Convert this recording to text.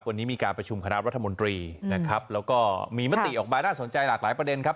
วันนี้มีการประชุมคณะรัฐมนตรีนะครับแล้วก็มีมติออกมาน่าสนใจหลากหลายประเด็นครับ